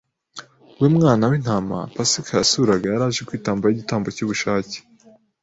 we Mwana w'intama Pasika yasuraga, yari aje kwitambaho igitambo cy'ubushake.